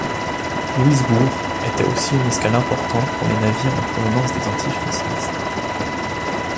Louisbourg était aussi une escale importante pour les navires en provenance des Antilles françaises.